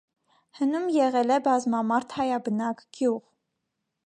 Հնում եղել է բազմամարդ հայաբնակ գյուղ։